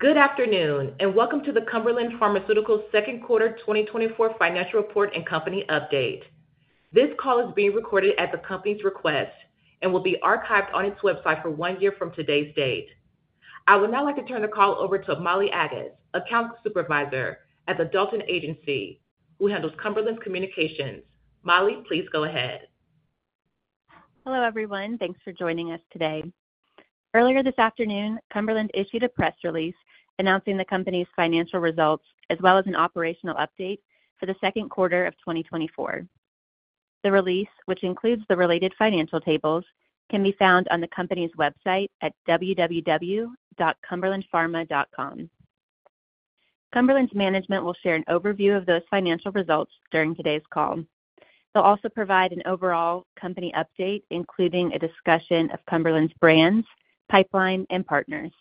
Good afternoon, and welcome to the Cumberland Pharmaceuticals' second quarter 2024 financial report and company update. This call is being recorded at the company's request and will be archived on its website for one year from today's date. I would now like to turn the call over to Molly Aggas, Account Supervisor at the Dalton Agency, who handles Cumberland's communications. Molly, please go ahead. Hello, everyone. Thanks for joining us today. Earlier this afternoon, Cumberland issued a press release announcing the company's financial results, as well as an operational update for the second quarter of 2024. The release, which includes the related financial tables, can be found on the company's website at www.cumberlandpharma.com. Cumberland's management will share an overview of those financial results during today's call. They'll also provide an overall company update, including a discussion of Cumberland's brands, pipeline, and partners.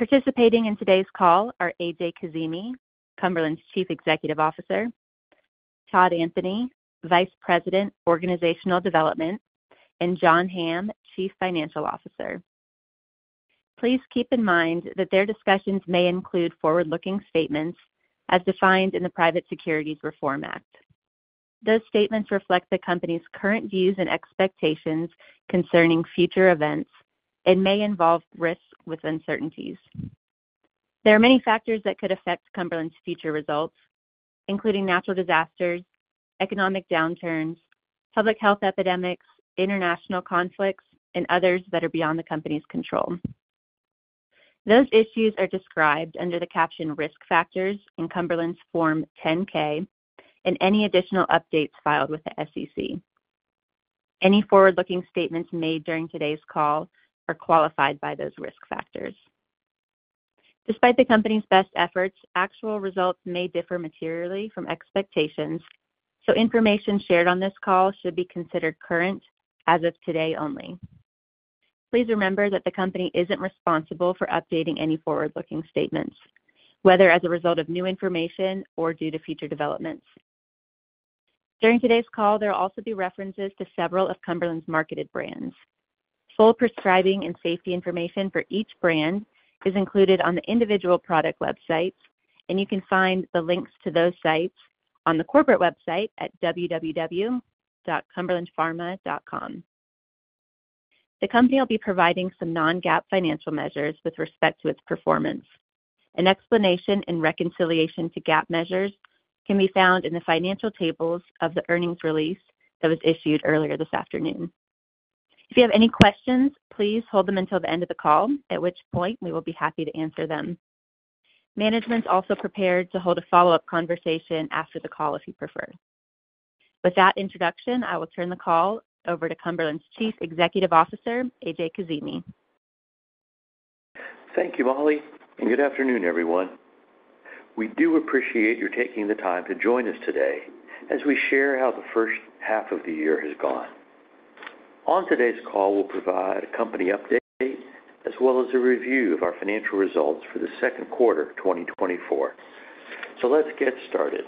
Participating in today's call are A.J. Kazimi, Cumberland's Chief Executive Officer, Todd Anthony, Vice President, Organizational Development, and John Hamm, Chief Financial Officer. Please keep in mind that their discussions may include forward-looking statements as defined in the Private Securities Litigation Reform Act. Those statements reflect the company's current views and expectations concerning future events and may involve risks with uncertainties. There are many factors that could affect Cumberland's future results, including natural disasters, economic downturns, public health epidemics, international conflicts, and others that are beyond the company's control. Those issues are described under the caption Risk Factors in Cumberland's Form 10-K and any additional updates filed with the SEC. Any forward-looking statements made during today's call are qualified by those risk factors. Despite the company's best efforts, actual results may differ materially from expectations, so information shared on this call should be considered current as of today only. Please remember that the company isn't responsible for updating any forward-looking statements, whether as a result of new information or due to future developments. During today's call, there will also be references to several of Cumberland's marketed brands. Full prescribing and safety information for each brand is included on the individual product websites, and you can find the links to those sites on the corporate website at www.cumberlandpharma.com. The company will be providing some non-GAAP financial measures with respect to its performance. An explanation and reconciliation to GAAP measures can be found in the financial tables of the earnings release that was issued earlier this afternoon. If you have any questions, please hold them until the end of the call, at which point we will be happy to answer them. Management's also prepared to hold a follow-up conversation after the call, if you prefer. With that introduction, I will turn the call over to Cumberland's Chief Executive Officer, A.J. Kazimi. Thank you, Molly, and good afternoon, everyone. We do appreciate you taking the time to join us today as we share how the first half of the year has gone. On today's call, we'll provide a company update as well as a review of our financial results for the second quarter 2024. So let's get started.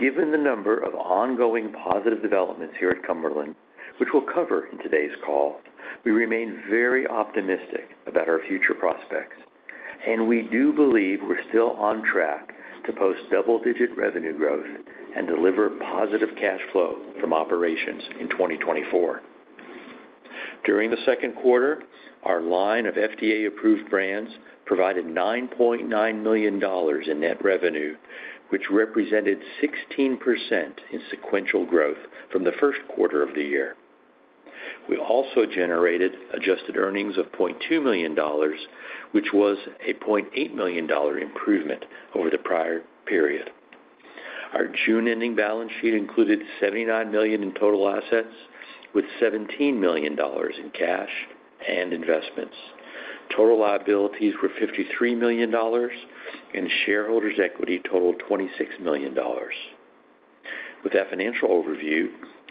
Given the number of ongoing positive developments here at Cumberland, which we'll cover in today's call, we remain very optimistic about our future prospects, and we do believe we're still on track to post double-digit revenue growth and deliver positive cash flow from operations in 2024. During the second quarter, our line of FDA-approved brands provided $9.9 million in net revenue, which represented 16% in sequential growth from the first quarter of the year. We also generated adjusted earnings of $0.2 million, which was a $0.8 million improvement over the prior period. Our June-ending balance sheet included $79 million in total assets, with $17 million in cash and investments. Total liabilities were $53 million, and shareholders' equity totaled $26 million. With that financial overview,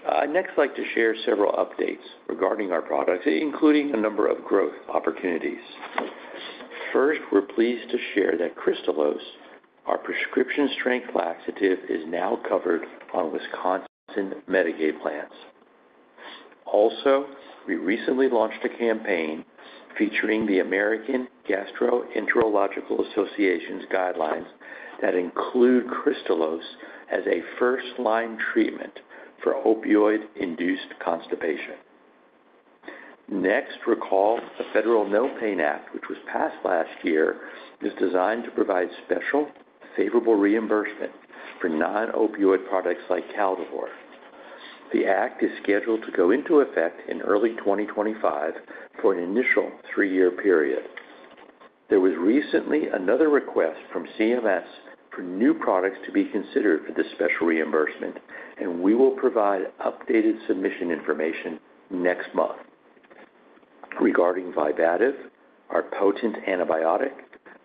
I'd next like to share several updates regarding our products, including a number of growth opportunities. First, we're pleased to share that Kristalose, our prescription-strength laxative, is now covered on Wisconsin Medicaid plans. Also, we recently launched a campaign featuring the American Gastroenterological Association's guidelines that include Kristalose as a first-line treatment for opioid-induced constipation. Next, recall the NOPAIN Act, which was passed last year, is designed to provide special favorable reimbursement for non-opioid products like Caldolor. The act is scheduled to go into effect in early 2025 for an initial 3-year period. There was recently another request from CMS for new products to be considered for this special reimbursement, and we will provide updated submission information next month. Regarding Vibativ, our potent antibiotic,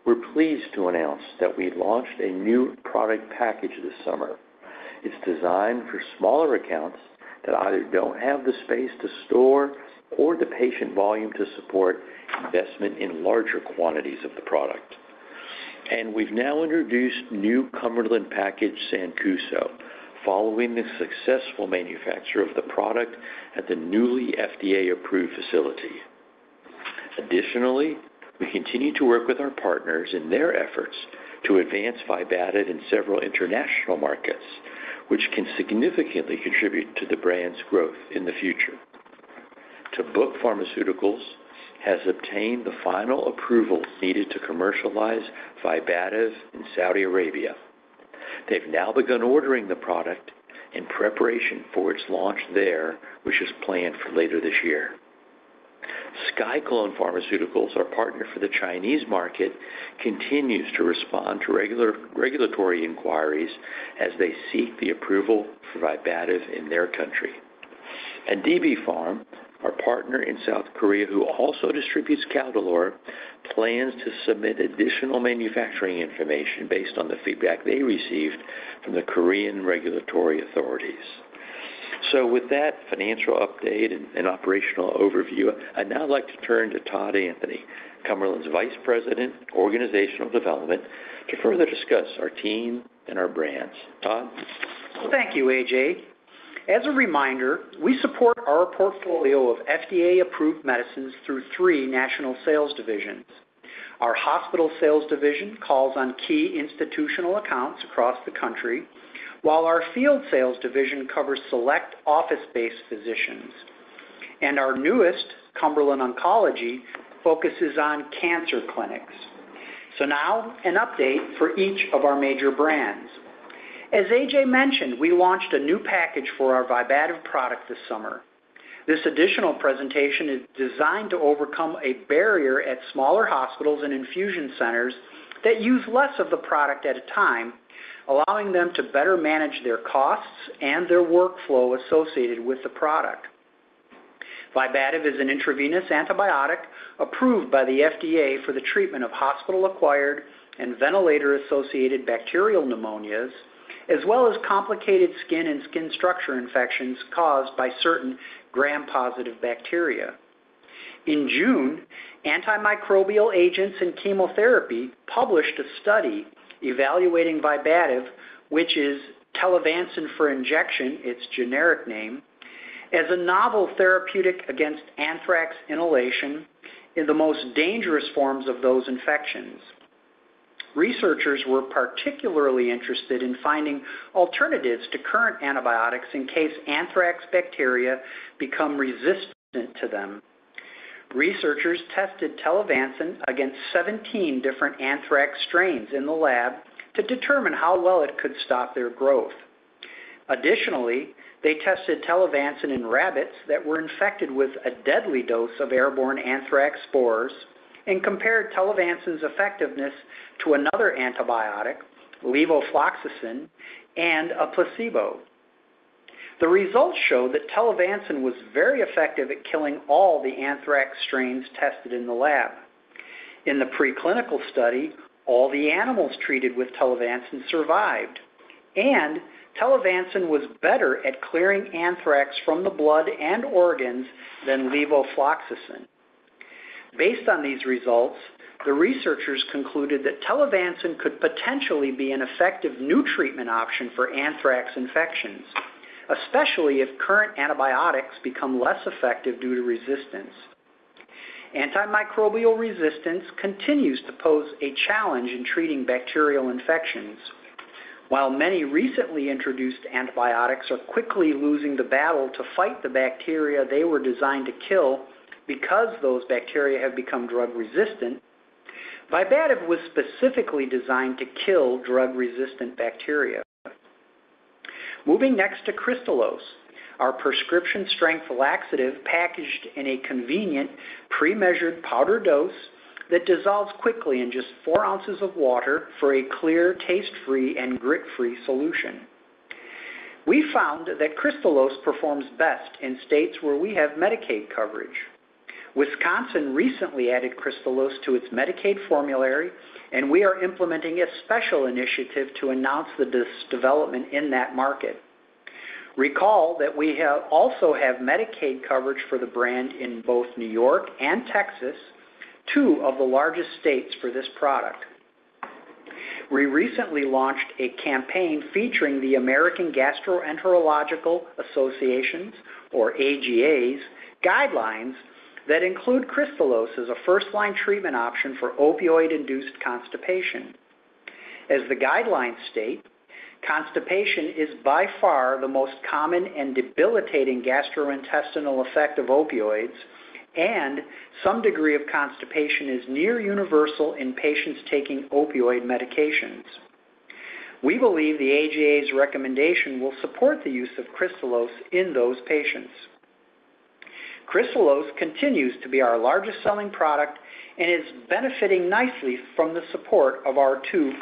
we're pleased to announce that we launched a new product package this summer. It's designed for smaller accounts that either don't have the space to store or the patient volume to support investment in larger quantities of the product. We've now introduced new Cumberland package Sancuso, following the successful manufacture of the product at the newly FDA-approved facility. Additionally, we continue to work with our partners in their efforts to advance Vibativ in several international markets, which can significantly contribute to the brand's growth in the future. Tabuk Pharmaceuticals has obtained the final approval needed to commercialize Vibativ in Saudi Arabia. They've now begun ordering the product in preparation for its launch there, which is planned for later this year. SciClone Pharmaceuticals, our partner for the Chinese market, continues to respond to regular, regulatory inquiries as they seek the approval for Vibativ in their country. And DB Pharm, our partner in South Korea, who also distributes Caldolor, plans to submit additional manufacturing information based on the feedback they received from the Korean regulatory authorities. So with that financial update and operational overview, I'd now like to turn to Todd Anthony, Cumberland's Vice President, Organizational Development, to further discuss our team and our brands. Todd? Thank you, A.J. As a reminder, we support our portfolio of FDA-approved medicines through three national sales divisions. Our hospital sales division calls on key institutional accounts across the country, while our field sales division covers select office-based physicians, and our newest, Cumberland Oncology, focuses on cancer clinics. So now an update for each of our major brands. As A.J. mentioned, we launched a new package for our Vibativ product this summer. This additional presentation is designed to overcome a barrier at smaller hospitals and infusion centers that use less of the product at a time, allowing them to better manage their costs and their workflow associated with the product. Vibativ is an intravenous antibiotic approved by the FDA for the treatment of hospital-acquired and ventilator-associated bacterial pneumonias, as well as complicated skin and skin structure infections caused by certain Gram-positive bacteria. In June, Antimicrobial Agents and Chemotherapy published a study evaluating Vibativ, which is telavancin for injection, its generic name, as a novel therapeutic against anthrax inhalation in the most dangerous forms of those infections. Researchers were particularly interested in finding alternatives to current antibiotics in case anthrax bacteria become resistant to them. Researchers tested telavancin against 17 different anthrax strains in the lab to determine how well it could stop their growth. Additionally, they tested telavancin in rabbits that were infected with a deadly dose of airborne anthrax spores and compared telavancin's effectiveness to another antibiotic, levofloxacin, and a placebo. The results showed that telavancin was very effective at killing all the anthrax strains tested in the lab. In the preclinical study, all the animals treated with telavancin survived, and telavancin was better at clearing anthrax from the blood and organs than levofloxacin. Based on these results, the researchers concluded that telavancin could potentially be an effective new treatment option for anthrax infections, especially if current antibiotics become less effective due to resistance. Antimicrobial resistance continues to pose a challenge in treating bacterial infections. While many recently introduced antibiotics are quickly losing the battle to fight the bacteria they were designed to kill because those bacteria have become drug-resistant, Vibativ was specifically designed to kill drug-resistant bacteria. Moving next to Kristalose, our prescription-strength laxative packaged in a convenient, premeasured powder dose that dissolves quickly in just 4 oz of water for a clear, taste-free, and grit-free solution. We found that Kristalose performs best in states where we have Medicaid coverage. Wisconsin recently added Kristalose to its Medicaid formulary, and we are implementing a special initiative to announce this development in that market. Recall that we have, also have Medicaid coverage for the brand in both New York and Texas, two of the largest states for this product. We recently launched a campaign featuring the American Gastroenterological Association's, or AGA's, guidelines that include Kristalose as a first-line treatment option for opioid-induced constipation. As the guidelines state, "constipation is by far the most common and debilitating gastrointestinal effect of opioids, and some degree of constipation is near universal in patients taking opioid medications." We believe the AGA's recommendation will support the use of Kristalose in those patients. Kristalose continues to be our largest-selling product and is benefiting nicely from the support of our two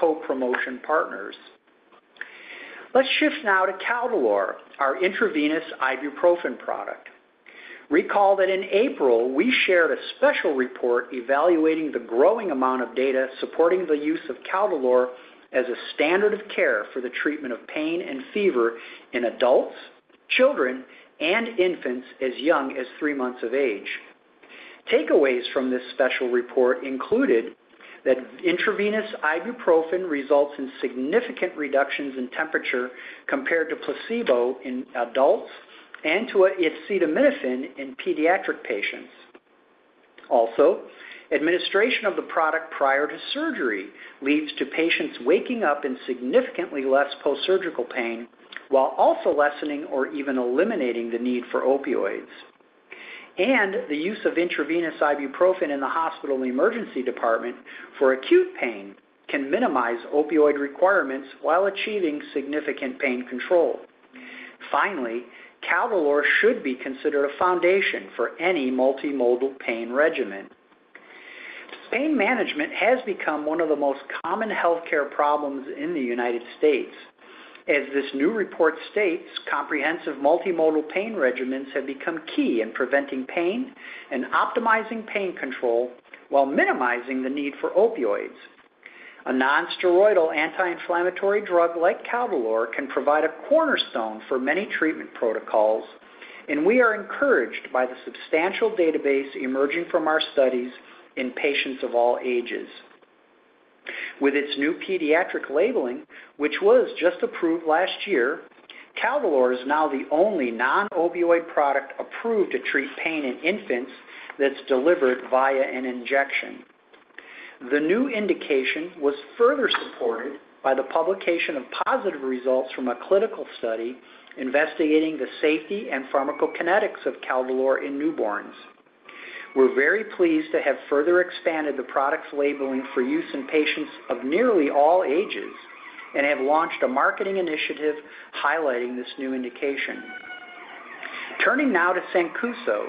co-promotion partners. Let's shift now to Caldolor, our intravenous ibuprofen product. Recall that in April, we shared a special report evaluating the growing amount of data supporting the use of Caldolor as a standard of care for the treatment of pain and fever in adults, children and infants as young as 3-months of age. Takeaways from this special report included that intravenous ibuprofen results in significant reductions in temperature compared to placebo in adults and to acetaminophen in pediatric patients. Also, administration of the product prior to surgery leads to patients waking up in significantly less postsurgical pain, while also lessening or even eliminating the need for opioids. The use of intravenous ibuprofen in the hospital emergency department for acute pain can minimize opioid requirements while achieving significant pain control. Finally, Caldolor should be considered a foundation for any multimodal pain regimen. Pain management has become one of the most common healthcare problems in the United States. As this new report states, comprehensive multimodal pain regimens have become key in preventing pain and optimizing pain control while minimizing the need for opioids. A nonsteroidal anti-inflammatory drug like Caldolor can provide a cornerstone for many treatment protocols, and we are encouraged by the substantial database emerging from our studies in patients of all ages. With its new pediatric labeling, which was just approved last year, Caldolor is now the only non-opioid product approved to treat pain in infants that's delivered via an injection. The new indication was further supported by the publication of positive results from a clinical study investigating the safety and pharmacokinetics of Caldolor in newborns. We're very pleased to have further expanded the product's labeling for use in patients of nearly all ages and have launched a marketing initiative highlighting this new indication. Turning now to Sancuso,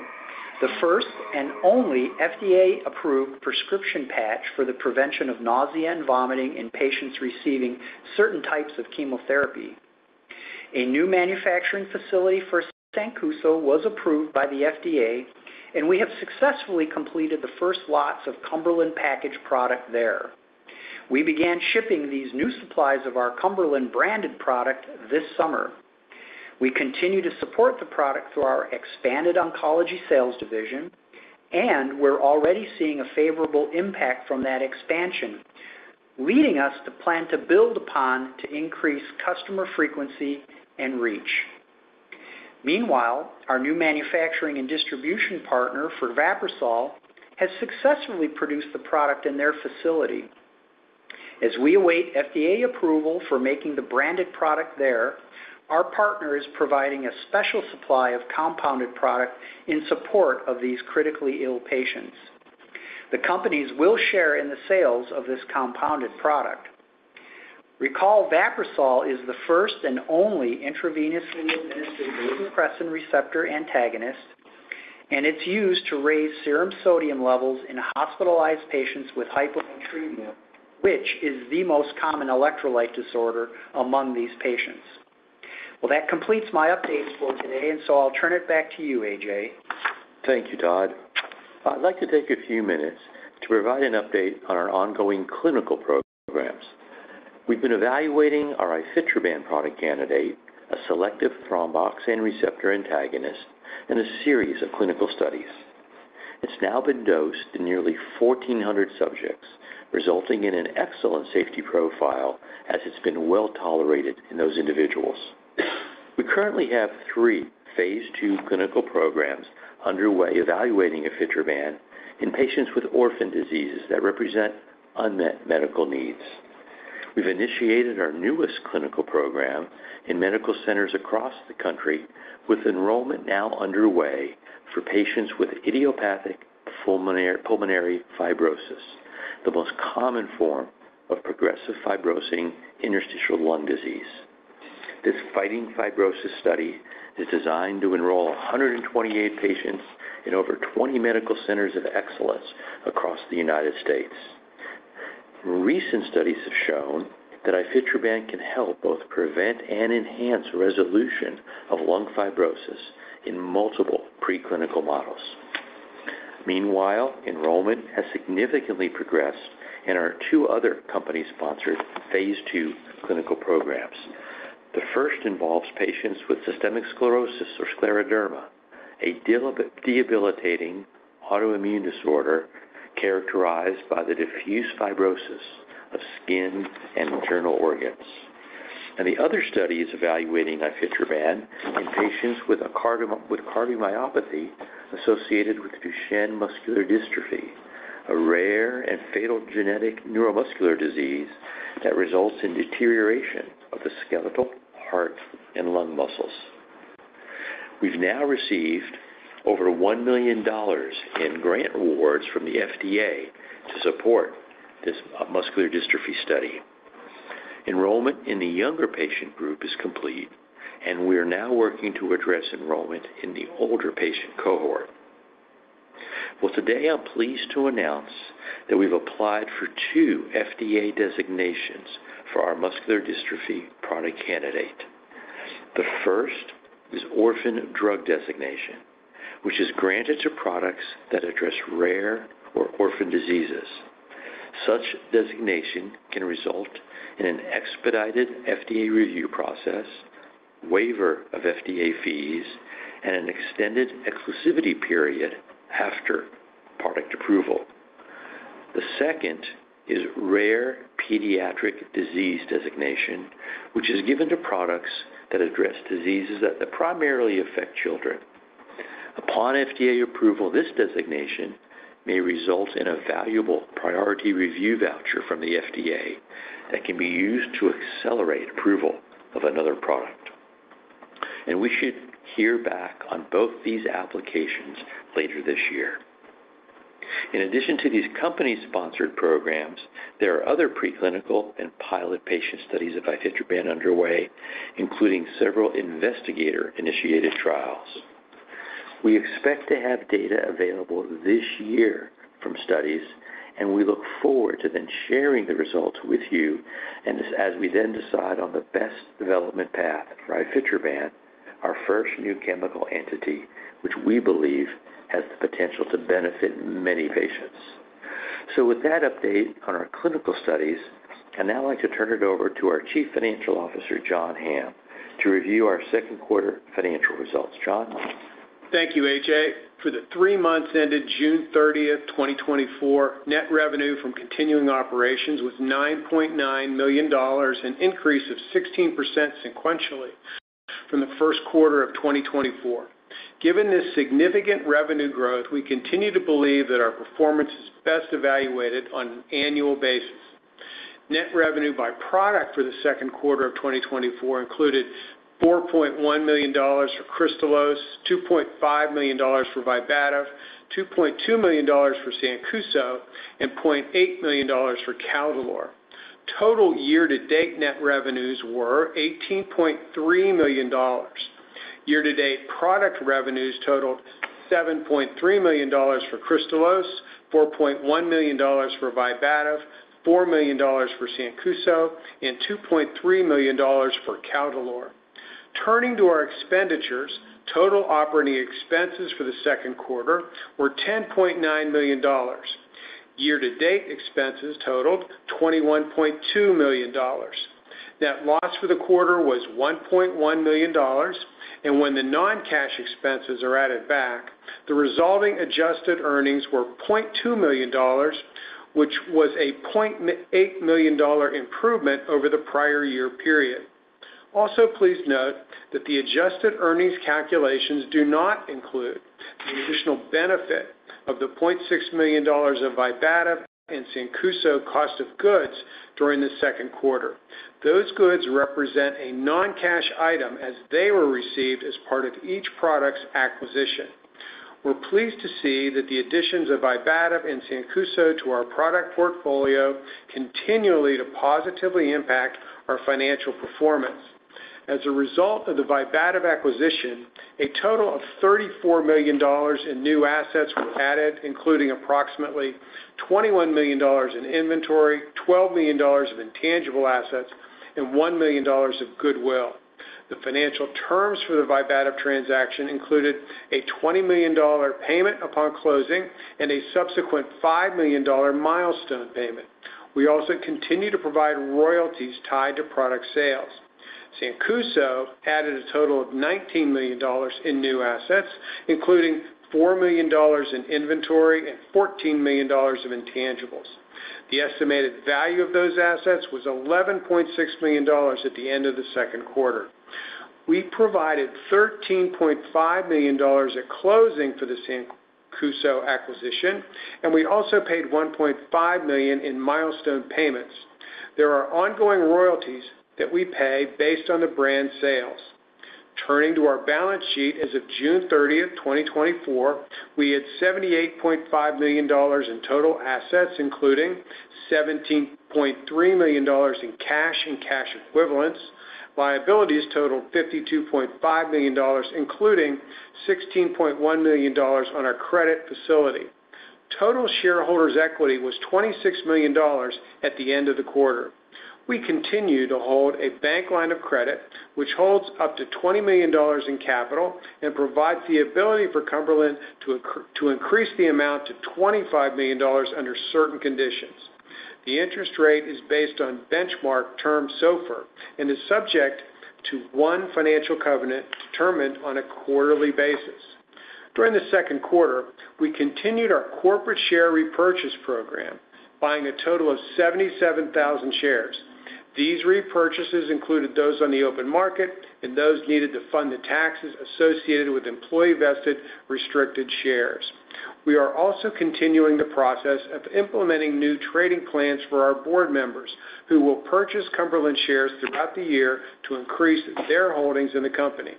the first and only FDA-approved prescription patch for the prevention of nausea and vomiting in patients receiving certain types of chemotherapy. A new manufacturing facility for Sancuso was approved by the FDA, and we have successfully completed the first lots of Cumberland packaged product there. We began shipping these new supplies of our Cumberland-branded product this summer. We continue to support the product through our expanded oncology sales division, and we're already seeing a favorable impact from that expansion, leading us to plan to build upon to increase customer frequency and reach. Meanwhile, our new manufacturing and distribution partner for Vaprisol has successfully produced the product in their facility. As we await FDA approval for making the branded product there, our partner is providing a special supply of compounded product in support of these critically ill patients. The companies will share in the sales of this compounded product. Recall, Vaprisol is the first and only intravenously administered vasopressin receptor antagonist, and it's used to raise serum sodium levels in hospitalized patients with hyponatremia, which is the most common electrolyte disorder among these patients. Well, that completes my updates for today, and so I'll turn it back to you, A.J. Thank you, Todd. I'd like to take a few minutes to provide an update on our ongoing clinical programs. We've been evaluating our ifetroban product candidate, a selective thromboxane receptor antagonist, in a series of clinical studies. It's now been dosed in nearly 1,400 subjects, resulting in an excellent safety profile as it's been well-tolerated in those individuals. We currently have three phase 2 clinical programs underway evaluating ifetroban in patients with orphan diseases that represent unmet medical needs. We've initiated our newest clinical program in medical centers across the country, with enrollment now underway for patients with idiopathic pulmonary fibrosis, the most common form of progressive fibrosing interstitial lung disease. This Fighting Fibrosis study is designed to enroll 128 patients in over 20 medical centers of excellence across the United States. Recent studies have shown that ifetroban can help both prevent and enhance resolution of lung fibrosis in multiple preclinical models. Meanwhile, enrollment has significantly progressed in our two other company-sponsored phase 2 clinical programs. The first involves patients with systemic sclerosis or scleroderma, a debilitating autoimmune disorder characterized by the diffuse fibrosis of skin and internal organs. The other study is evaluating ifetroban in patients with cardiomyopathy associated with Duchenne muscular dystrophy, a rare and fatal genetic neuromuscular disease that results in deterioration of the skeletal, heart, and lung muscles. We've now received over $1 million in grant awards from the FDA to support this muscular dystrophy study. Enrollment in the younger patient group is complete, and we are now working to address enrollment in the older patient cohort. Well, today, I'm pleased to announce that we've applied for two FDA designations for our muscular dystrophy product candidate. The first is Orphan Drug Designation, which is granted to products that address rare or orphan diseases. Such designation can result in an expedited FDA review process, waiver of FDA fees, and an extended exclusivity period after product approval. The second is Rare Pediatric Disease Designation, which is given to products that address diseases that primarily affect children. Upon FDA approval, this designation may result in a valuable priority review voucher from the FDA that can be used to accelerate approval of another product. And we should hear back on both these applications later this year. In addition to these company-sponsored programs, there are other preclinical and pilot patient studies of ifetroban underway, including several investigator-initiated trials. We expect to have data available this year from studies, and we look forward to then sharing the results with you, and as we then decide on the best development path for Ifetroban, our first new chemical entity, which we believe has the potential to benefit many patients. So with that update on our clinical studies, I'd now like to turn it over to our Chief Financial Officer, John Hamm, to review our second quarter financial results. John? Thank you, A.J. For the three months ended June 30, 2024, net revenue from continuing operations was $9.9 million, an increase of 16% sequentially from the first quarter of 2024. Given this significant revenue growth, we continue to believe that our performance is best evaluated on an annual basis. Net revenue by product for the second quarter of 2024 included $4.1 million for Kristalose, $2.5 million for Vibativ, $2.2 million for Sancuso, and $0.8 million for Caldolor. Total year-to-date net revenues were $18.3 million. Year-to-date product revenues totaled $7.3 million for Kristalose, $4.1 million for Vibativ, $4 million for Sancuso, and $2.3 million for Caldolor. Turning to our expenditures, total operating expenses for the second quarter were $10.9 million. Year-to-date expenses totaled $21.2 million. Net loss for the quarter was $1.1 million, and when the non-cash expenses are added back, the resulting adjusted earnings were $0.2 million, which was a $0.8 million improvement over the prior year period. Also, please note that the adjusted earnings calculations do not include the additional benefit of the $0.6 million of Vibativ and Sancuso cost of goods during the second quarter. Those goods represent a non-cash item as they were received as part of each product's acquisition. We're pleased to see that the additions of Vibativ and Sancuso to our product portfolio continue to positively impact our financial performance. As a result of the Vibativ acquisition, a total of $34 million in new assets were added, including approximately $21 million in inventory, $12 million of intangible assets, and $1 million of goodwill. The financial terms for the Vibativ transaction included a $20 million payment upon closing and a subsequent $5 million milestone payment. We also continue to provide royalties tied to product sales. Sancuso added a total of $19 million in new assets, including $4 million in inventory and $14 million of intangibles. The estimated value of those assets was $11.6 million at the end of the second quarter. We provided $13.5 million at closing for the Sancuso acquisition, and we also paid $1.5 million in milestone payments. There are ongoing royalties that we pay based on the brand sales. Turning to our balance sheet, as of June 30, 2024, we had $78.5 million in total assets, including $17.3 million in cash and cash equivalents. Liabilities totaled $52.5 million, including $16.1 million on our credit facility. Total shareholders' equity was $26 million at the end of the quarter. We continue to hold a bank line of credit, which holds up to $20 million in capital and provides the ability for Cumberland to increase the amount to $25 million under certain conditions. The interest rate is based on benchmark Term SOFR, and is subject to one financial covenant determined on a quarterly basis. During the second quarter, we continued our corporate share repurchase program, buying a total of 77,000 shares. These repurchases included those on the open market and those needed to fund the taxes associated with employee-vested restricted shares. We are also continuing the process of implementing new trading plans for our board members, who will purchase Cumberland shares throughout the year to increase their holdings in the company.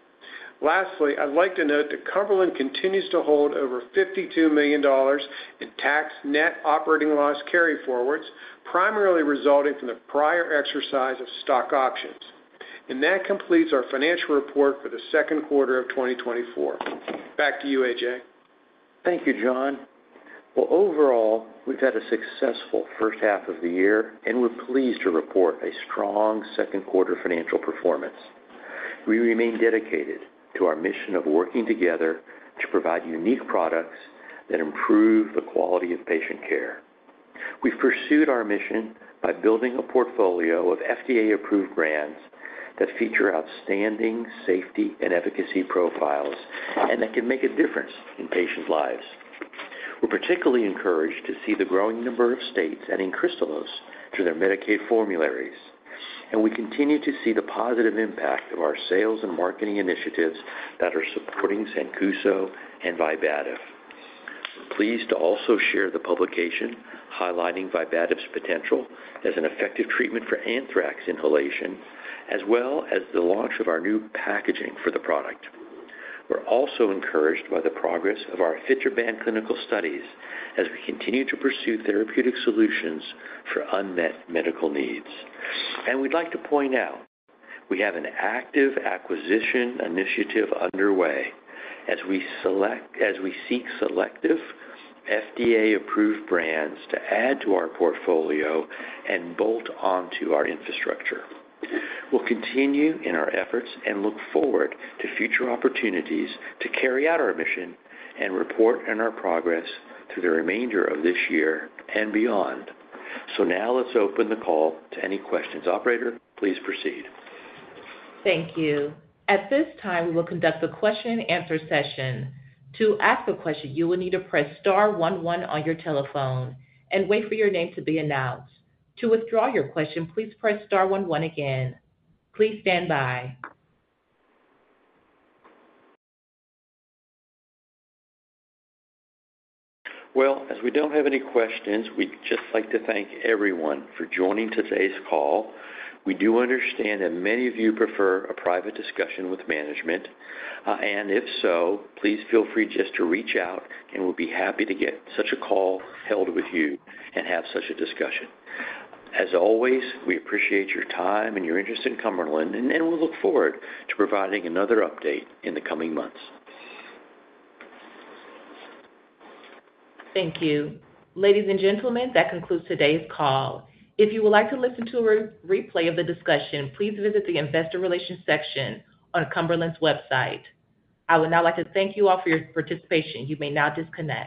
Lastly, I'd like to note that Cumberland continues to hold over $52 million in tax net operating loss carryforwards, primarily resulting from the prior exercise of stock options. That completes our financial report for the second quarter of 2024. Back to you, A.J. Thank you, John. Well, overall, we've had a successful first half of the year, and we're pleased to report a strong second quarter financial performance.... We remain dedicated to our mission of working together to provide unique products that improve the quality of patient care. We've pursued our mission by building a portfolio of FDA-approved brands that feature outstanding safety and efficacy profiles, and that can make a difference in patients' lives. We're particularly encouraged to see the growing number of states adding Kristalose to their Medicaid formularies, and we continue to see the positive impact of our sales and marketing initiatives that are supporting Sancuso and Vibativ. Pleased to also share the publication highlighting Vibativ's potential as an effective treatment for anthrax inhalation, as well as the launch of our new packaging for the product. We're also encouraged by the progress of our ifetroban clinical studies as we continue to pursue therapeutic solutions for unmet medical needs. And we'd like to point out, we have an active acquisition initiative underway as we seek selective FDA-approved brands to add to our portfolio and bolt onto our infrastructure. We'll continue in our efforts and look forward to future opportunities to carry out our mission and report on our progress through the remainder of this year and beyond. So now let's open the call to any questions. Operator, please proceed. Thank you. At this time, we will conduct a question-and-answer session. To ask a question, you will need to press star one one on your telephone and wait for your name to be announced. To withdraw your question, please press star one one again. Please stand by. Well, as we don't have any questions, we'd just like to thank everyone for joining today's call. We do understand that many of you prefer a private discussion with management, and if so, please feel free just to reach out, and we'll be happy to get such a call held with you and have such a discussion. As always, we appreciate your time and your interest in Cumberland, and we look forward to providing another update in the coming months. Thank you. Ladies and gentlemen, that concludes today's call. If you would like to listen to a replay of the discussion, please visit the investor relations section on Cumberland's website. I would now like to thank you all for your participation. You may now disconnect.